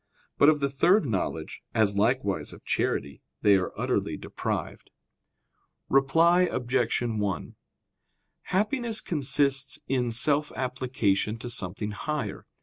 But of the third knowledge, as likewise of charity, they are utterly deprived. Reply Obj. 1: Happiness consists in self application to something higher.